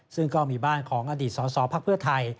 ซึ่งก็มีบ้านของอดิตสสภพไทย